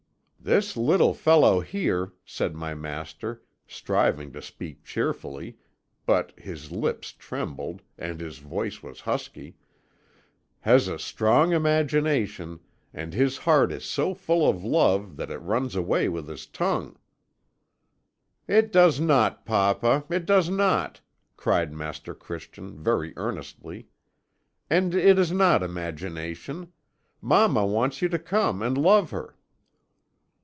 "'This little fellow here,' said my master, striving to speak cheerfully, but his lips trembled, and his voice was husky, 'has a strong imagination, and his heart is so full of love that it runs away with his tongue.' "'It does not, papa, it does not,' cried Master Christian very earnestly. 'And it is not imagination. Mamma wants you to come and love her.'